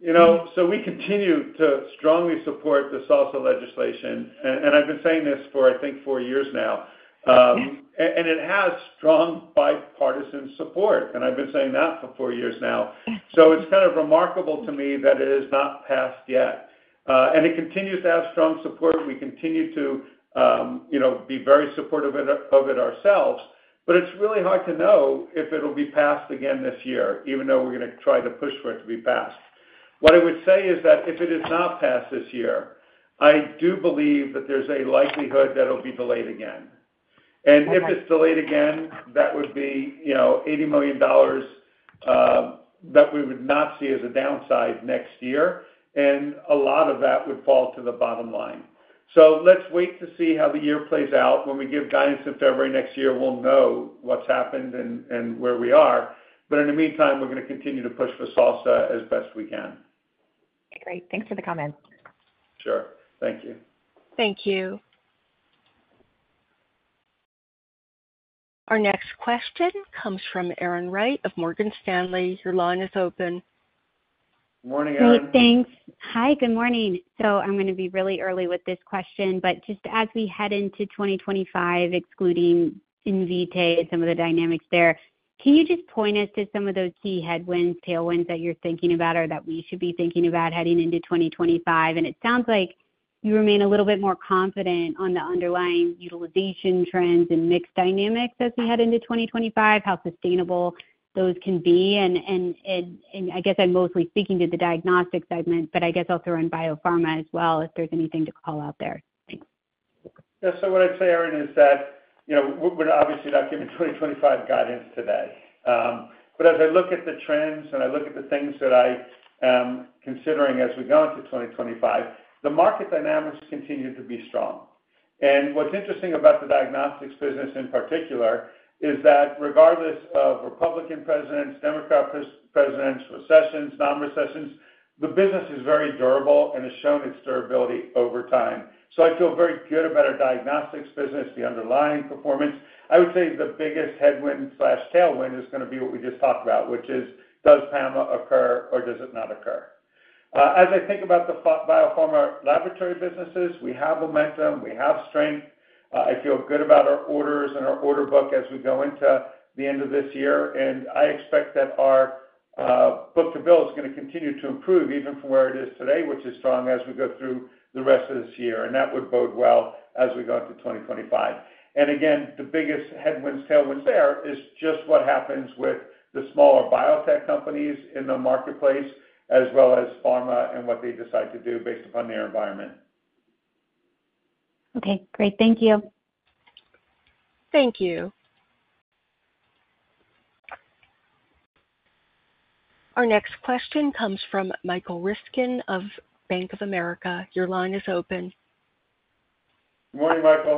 you know, so we continue to strongly support the SALSA legislation. And I've been saying this for, I think, four years now. And it has strong bipartisan support, and I've been saying that for four years now. So it's kind of remarkable to me that it has not passed yet. And it continues to have strong support. We continue to, you know, be very supportive of, of it ourselves, but it's really hard to know if it'll be passed again this year, even though we're gonna try to push for it to be passed. What I would say is that if it is not passed this year, I do believe that there's a likelihood that it'll be delayed again. Okay. If it's delayed again, that would be, you know, $80 million that we would not see as a downside next year, and a lot of that would fall to the bottom line. Let's wait to see how the year plays out. When we give guidance in February next year, we'll know what's happened and where we are. In the meantime, we're gonna continue to push for SALSA as best we can. Great. Thanks for the comment. Sure. Thank you. Thank you. Our next question comes from Erin Wright of Morgan Stanley. Your line is open. Morning, Erin. Great, thanks. Hi, good morning. So I'm gonna be really early with this question, but just as we head into 2025, excluding Invitae and some of the dynamics there, can you just point us to some of those key headwinds, tailwinds that you're thinking about or that we should be thinking about heading into 2025? And it sounds like you remain a little bit more confident on the underlying utilization trends and mix dynamics as we head into 2025; how sustainable those can be? And, and, and, and I guess I'm mostly speaking to the diagnostic segment, but I guess I'll throw in biopharma as well, if there's anything to call out there. Thanks. Yeah, so what I'd say, Erin, is that, you know, we're, we're obviously not giving 2025 guidance today. But as I look at the trends and I look at the things that I am considering as we go into 2025, the market dynamics continue to be strong. And what's interesting about the diagnostics business in particular, is that regardless of Republican presidents, Democrat presidents, recessions, non-recessions, the business is very durable and has shown its durability over time. So I feel very good about our diagnostics business, the underlying performance. I would say the biggest headwind/tailwind is gonna be what we just talked about, which is, does PAMA occur or does it not occur? As I think about the biopharma laboratory businesses, we have momentum, we have strength. I feel good about our orders and our order book as we go into the end of this year, and I expect that our book-to-bill is gonna continue to improve even from where it is today, which is strong as we go through the rest of this year, and that would bode well as we go into 2025. And again, the biggest headwinds, tailwinds there is just what happens with the smaller biotech companies in the marketplace, as well as pharma and what they decide to do based upon their environment. Okay, great. Thank you. Thank you. Our next question comes from Michael Ryskin of Bank of America. Your line is open. Morning, Michael.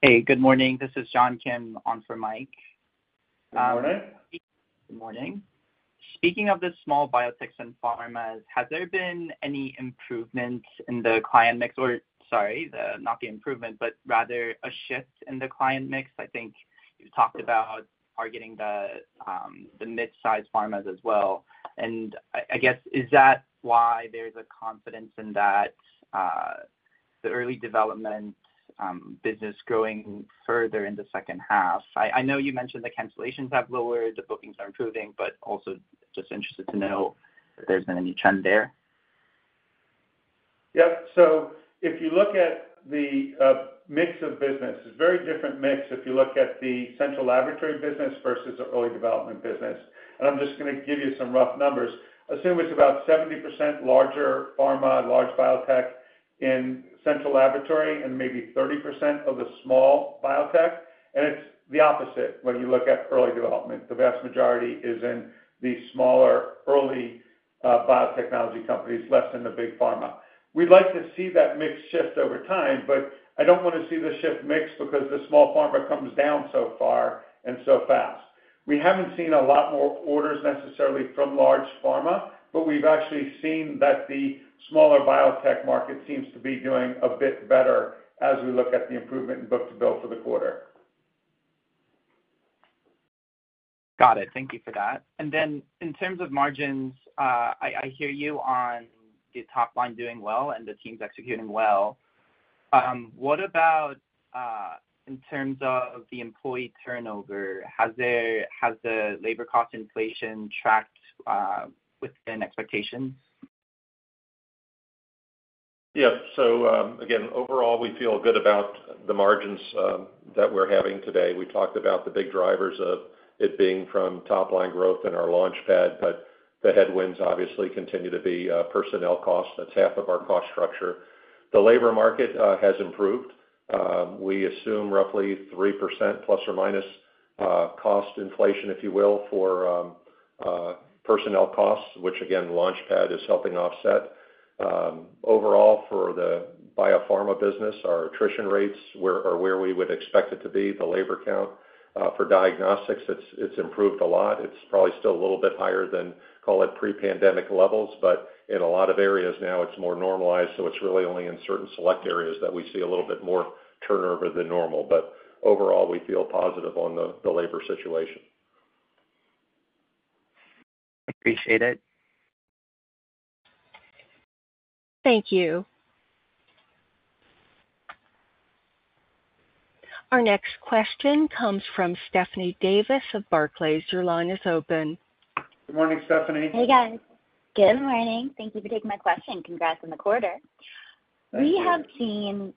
Hey, good morning. This is John Kim, on for Mike. Good morning. Good morning. Speaking of the small biotechs and pharmas, has there been any improvements in the client mix or... Sorry, not the improvement, but rather a shift in the client mix? I think you talked about targeting the mid-sized pharmas as well. And I guess, is that why there's a confidence in that, the early development business growing further in the second half? I know you mentioned the cancellations have lowered, the bookings are improving, but also just interested to know if there's been any trend there. Yep. So if you look at the mix of business, it's a very different mix if you look at the central laboratory business versus the early development business, and I'm just gonna give you some rough numbers. Assume it's about 70% larger pharma, large biotech in central laboratory and maybe 30% of the small biotech, and it's the opposite when you look at early development. The vast majority is in the smaller, early, biotechnology companies, less than the big pharma. We'd like to see that mix shift over time, but I don't want to see the shift mix because the small pharma comes down so far and so fast. We haven't seen a lot more orders necessarily from large pharma, but we've actually seen that the smaller biotech market seems to be doing a bit better as we look at the improvement in book-to-bill for the quarter. Got it. Thank you for that. And then in terms of margins, I hear you on the top line doing well and the team's executing well. What about in terms of the employee turnover, has the labor cost inflation tracked within expectations? Yes. So, again, overall, we feel good about the margins that we're having today. We talked about the big drivers of it being from top line growth in our LaunchPad, but the headwinds obviously continue to be personnel costs. That's half of our cost structure. The labor market has improved. We assume roughly 3% ± cost inflation, if you will, for personnel costs, which again, LaunchPad is helping offset. Overall, for the biopharma business, our attrition rates are where we would expect it to be, the labor count. For diagnostics, it's improved a lot. It's probably still a little bit higher than, call it, pre-pandemic levels, but in a lot of areas now, it's more normalized, so it's really only in certain select areas that we see a little bit more turnover than normal. But overall, we feel positive on the labor situation. Appreciate it. Thank you. Our next question comes from Stephanie Davis of Barclays. Your line is open. Good morning, Stephanie. Hey, guys. Good morning. Thank you for taking my question. Congrats on the quarter. Thank you. We have seen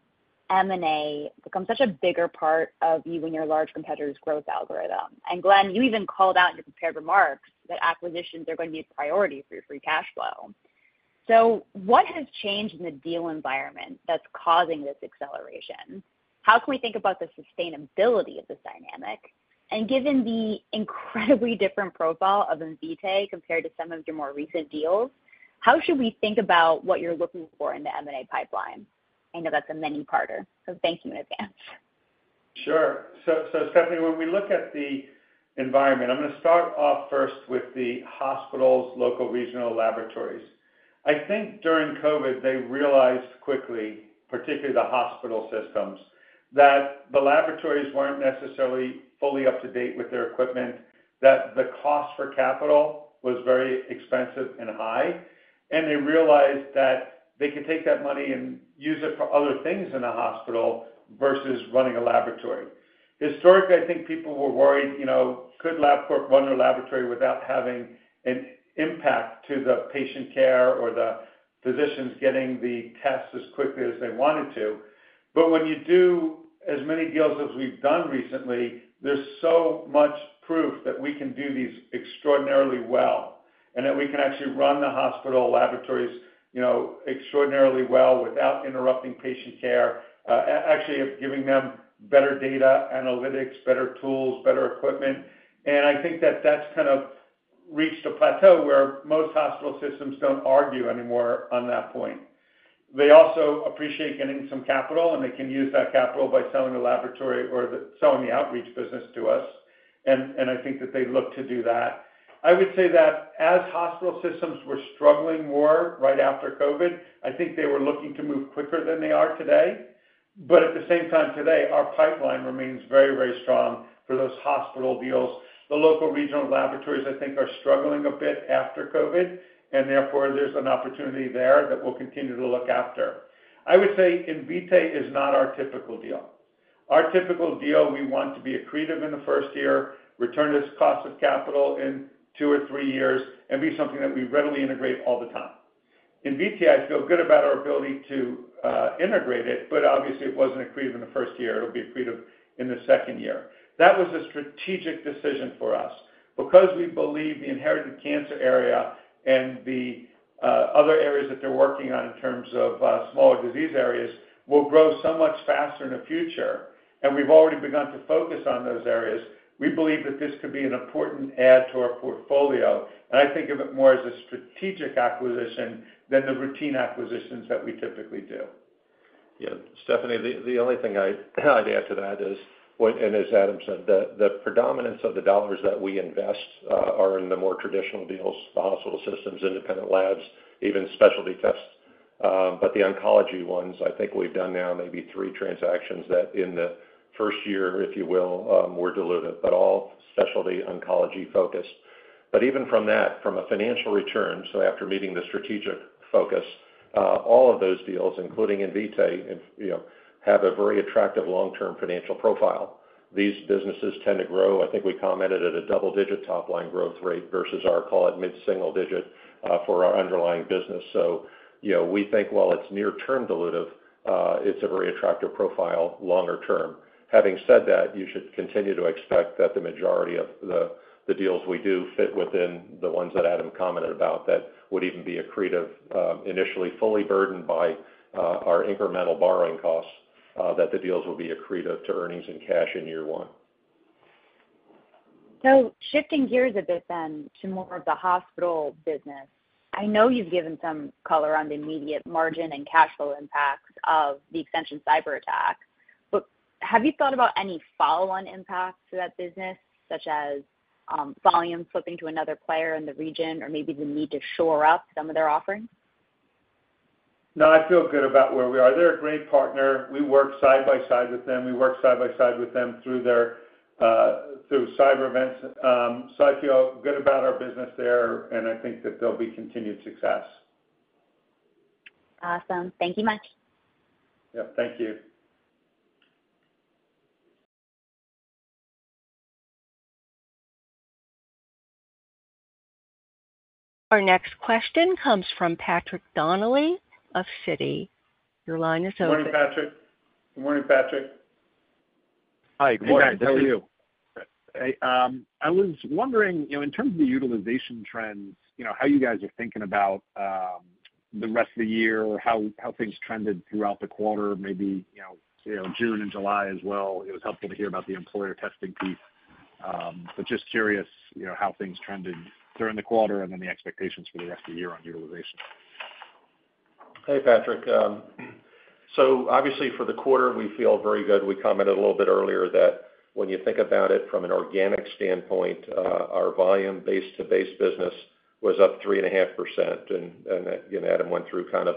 M&A become such a bigger part of you and your large competitors' growth algorithm. And Glenn, you even called out in your prepared remarks that acquisitions are going to be a priority for your free cash flow. So what has changed in the deal environment that's causing this acceleration? How can we think about the sustainability of this dynamic? And given the incredibly different profile of Invitae compared to some of your more recent deals, how should we think about what you're looking for in the M&A pipeline? I know that's a many parter, so thank you in advance. Sure. So, so Stephanie, when we look at the environment, I'm gonna start off first with the hospitals, local regional laboratories. I think during COVID, they realized quickly, particularly the hospital systems, that the laboratories weren't necessarily fully up to date with their equipment, that the cost for capital was very expensive and high, and they realized that they could take that money and use it for other things in a hospital versus running a laboratory. Historically, I think people were worried, you know, could Labcorp run a laboratory without having an impact to the patient care or the physicians getting the tests as quickly as they wanted to? But when you do as many deals as we've done recently, there's so much proof that we can do these extraordinarily well, and that we can actually run the hospital laboratories, you know, extraordinarily well without interrupting patient care, actually giving them better data, analytics, better tools, better equipment. And I think that that's kind of reached a plateau where most hospital systems don't argue anymore on that point. They also appreciate getting some capital, and they can use that capital by selling the laboratory or selling the outreach business to us, and I think that they look to do that. I would say that as hospital systems were struggling more right after COVID, I think they were looking to move quicker than they are today. But at the same time today, our pipeline remains very, very strong for those hospital deals. The local regional laboratories, I think, are struggling a bit after COVID, and therefore, there's an opportunity there that we'll continue to look after. I would say Invitae is not our typical deal. Our typical deal, we want to be accretive in the first year, return this cost of capital in two or three years, and be something that we readily integrate all the time. Invitae, I feel good about our ability to integrate it, but obviously, it wasn't accretive in the first year. It'll be accretive in the second year. That was a strategic decision for us. Because we believe the inherited cancer area and the other areas that they're working on in terms of smaller disease areas will grow so much faster in the future, and we've already begun to focus on those areas, we believe that this could be an important add to our portfolio, and I think of it more as a strategic acquisition than the routine acquisitions that we typically do. Yeah, Stephanie, the only thing I'd add to that is, and as Adam said, the predominance of the dollars that we invest are in the more traditional deals, the hospital systems, independent labs, even specialty tests. But the oncology ones, I think we've done now maybe three transactions that in the first year, if you will, were dilutive, but all specialty oncology-focused. But even from that, from a financial return, so after meeting the strategic focus, all of those deals, including Invitae, and, you know, have a very attractive long-term financial profile. These businesses tend to grow, I think we commented, at a double-digit top line growth rate versus our, call it, mid-single digit, for our underlying business. So, you know, we think while it's near term dilutive, it's a very attractive profile longer term. Having said that, you should continue to expect that the majority of the deals we do fit within the ones that Adam commented about, that would even be accretive, initially, fully burdened by our incremental borrowing costs, that the deals will be accretive to earnings and cash in year one. Shifting gears a bit then to more of the hospital business. I know you've given some color on the immediate margin and cash flow impacts of the Change Healthcare cyberattack, but have you thought about any follow-on impacts to that business, such as volume flipping to another player in the region, or maybe the need to shore up some of their offerings? No, I feel good about where we are. They're a great partner. We work side by side with them. We worked side by side with them through cyber events. So, I feel good about our business there, and I think that there'll be continued success. Awesome. Thank you much. Yep, thank you. Our next question comes from Patrick Donnelly of Citi. Your line is open. Good morning, Patrick. Good morning, Patrick. Hi, good morning. How are you? Hey, I was wondering, you know, in terms of the utilization trends, you know, how you guys are thinking about the rest of the year, how things trended throughout the quarter, maybe, you know, you know, June and July as well. It was helpful to hear about the employer testing piece. But just curious, you know, how things trended during the quarter and then the expectations for the rest of the year on utilization. Hey, Patrick. So obviously, for the quarter, we feel very good. We commented a little bit earlier, that when you think about it from an organic standpoint, our volume base to base business was up 3.5%. And, you know, Adam went through kind of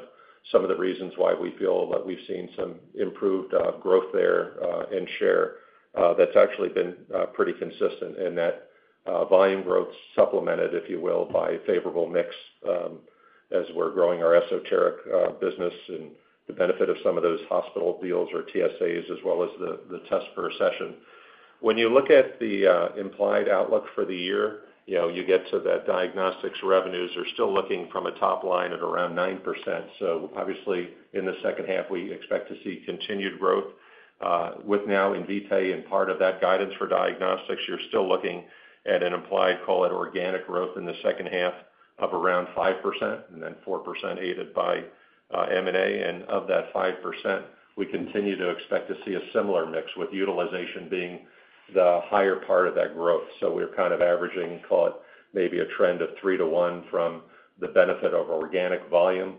some of the reasons why we feel that we've seen some improved growth there in share. That's actually been pretty consistent in that volume growth supplemented, if you will, by favorable mix, as we're growing our esoteric business and the benefit of some of those hospital deals or TSAs, as well as the test per session. When you look at the implied outlook for the year, you know, you get to that diagnostics revenues are still looking from a top line at around 9%. So obviously, in the second half, we expect to see continued growth, with now Invitae and part of that guidance for diagnostics, you're still looking at an implied, call it, organic growth in the second half of around 5% and then 4% aided by, M&A. And of that 5%, we continue to expect to see a similar mix with utilization being the higher part of that growth. So we're kind of averaging, call it, maybe a trend of 3 to 1 from the benefit of organic volume,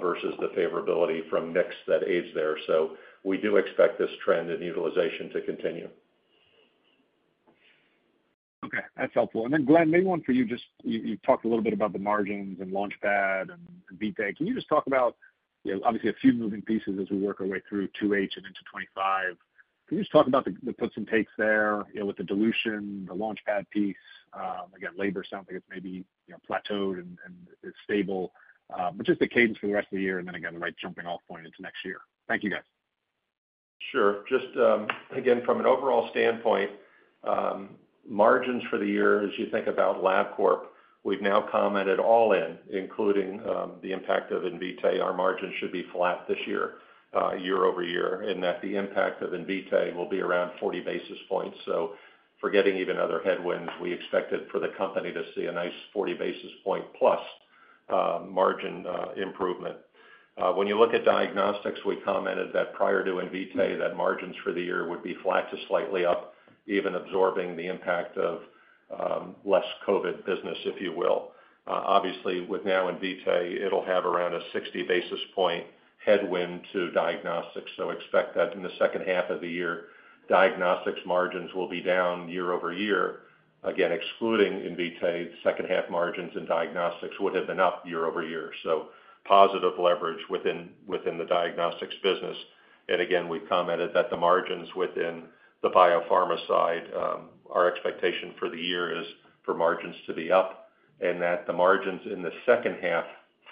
versus the favorability from mix that aids there. So we do expect this trend in utilization to continue. Okay, that's helpful. And then, Glenn, maybe one for you, just you, you talked a little bit about the margins and LaunchPad and Invitae. Can you just talk about, you know, obviously a few moving pieces as we work our way through 2H and into 25. Can you just talk about the, the puts and takes there, you know, with the dilution, the LaunchPad piece, again, labor sounds like it's maybe, you know, plateaued and, and is stable, but just the cadence for the rest of the year, and then again, the right jumping off point into next year. Thank you, guys. Sure. Just, again, from an overall standpoint, margins for the year, as you think about Labcorp, we've now commented all in, including the impact of Invitae. Our margins should be flat this year, year-over-year, and that the impact of Invitae will be around 40 basis points. So forgetting even other headwinds, we expect it for the company to see a nice 40 basis point plus margin improvement. When you look at diagnostics, we commented that prior to Invitae, that margins for the year would be flat to slightly up, even absorbing the impact of less COVID business, if you will. Obviously, with now Invitae, it'll have around a 60 basis point headwind to diagnostics, so expect that in the second half of the year, diagnostics margins will be down year-over-year. Again, excluding Invitae, second half margins in diagnostics would have been up year over year. So positive leverage within the diagnostics business. And again, we've commented that the margins within the biopharma side, our expectation for the year is for margins to be up, and that the margins in the second half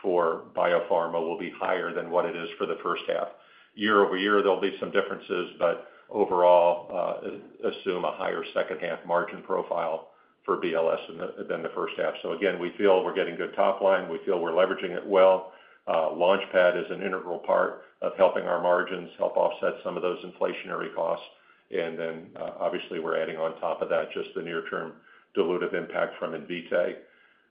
for biopharma will be higher than what it is for the first half. Year over year, there'll be some differences, but overall, assume a higher second half margin profile for BLS than the first half. So again, we feel we're getting good top line. We feel we're leveraging it well. LaunchPad is an integral part of helping our margins, help offset some of those inflationary costs. And then, obviously, we're adding on top of that, just the near-term dilutive impact from Invitae.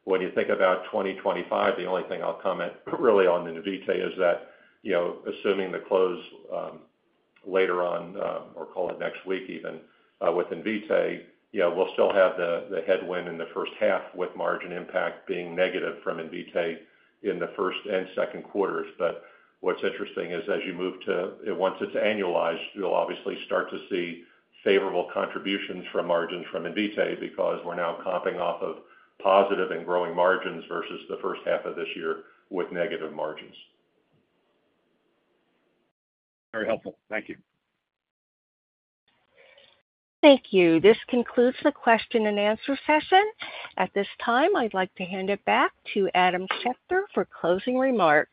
When you think about 2025, the only thing I'll comment really on Invitae is that, you know, assuming the close, later on, or call it next week even, with Invitae, you know, we'll still have the headwind in the first half, with margin impact being negative from Invitae in the first and second quarters. But what's interesting is, as you move to once it's annualized, you'll obviously start to see favorable contributions from margins from Invitae, because we're now comping off of positive and growing margins versus the first half of this year with negative margins. Very helpful. Thank you. Thank you. This concludes the question and answer session. At this time, I'd like to hand it back to Adam Schechter for closing remarks.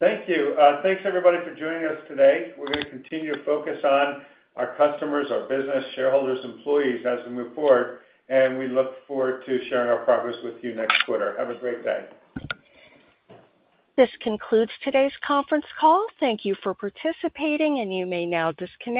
Thank you. Thanks, everybody, for joining us today. We're gonna continue to focus on our customers, our business, shareholders, employees as we move forward, and we look forward to sharing our progress with you next quarter. Have a great day. This concludes today's conference call. Thank you for participating, and you may now disconnect.